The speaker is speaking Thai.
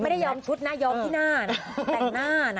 ยอมชุดนะยอมที่หน้านะแต่งหน้านะ